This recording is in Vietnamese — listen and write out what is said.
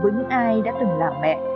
với những ai đã từng làm mẹ